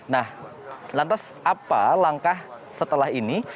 nah lantas apa langkah setelah ini